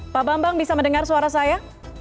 pak bambang bisa mendengar suara saya